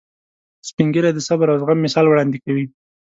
سپین ږیری د صبر او زغم مثال وړاندې کوي